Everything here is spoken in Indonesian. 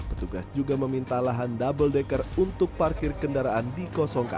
petugas juga meminta lahan double decker untuk parkir kendaraan dikosongkan